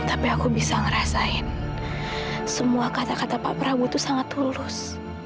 tapi aku bisa ngerasain semua kata kata pak prabowo itu sangat lurus